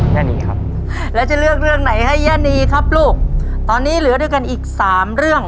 ย่านีครับแล้วจะเลือกเรื่องไหนให้ย่านีครับลูกตอนนี้เหลือด้วยกันอีกสามเรื่อง